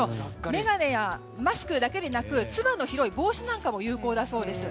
眼鏡やマスクだけでなくつばの広い帽子も有効だそうです。